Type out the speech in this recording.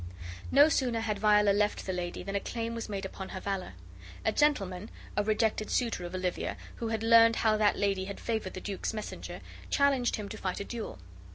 No sooner had Viola left the lady than a claim was made upon her valor. A gentleman, a rejected suitor of Olivia, who had learned how that lady had favored the duke's messenger, challenged him to fight a duel.